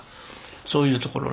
そういうところね。